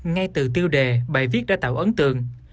ngay từ tiêu đề bài viết đã tạo ấn tượng